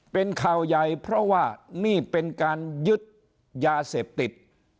เป็นข่าวใหญ่เพราะว่านี่เป็นการยึดยาเสพติด